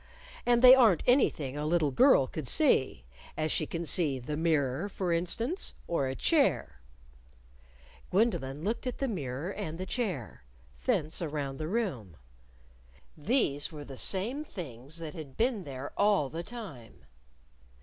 And they aren't anything a little girl could see as she can see the mirror, for instance, or a chair " Gwendolyn looked at the mirror and the chair thence around the room. These were the same things that had been there all the time.